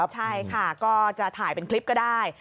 ใช่ค่ะก็จะถ่ายเป็นคลิปก็ได้